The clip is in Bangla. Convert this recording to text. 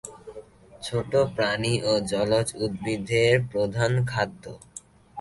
ছোট প্রাণী ও জলজ উদ্ভিদ এর প্রধান খাদ্য।